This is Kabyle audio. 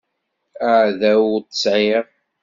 Aεdaw ur t-sεiɣ.